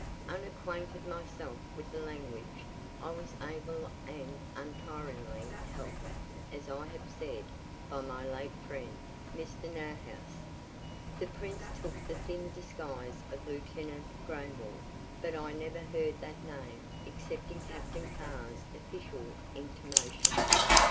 Unacquainted myself with the language, I was ably and untiringly helped, as I have said, by my late friend Mr. Neuhauss. The Prince took the thin disguise of Lieutenant Groenwald, but I never heard that name, except in Captain Carr's official intimation.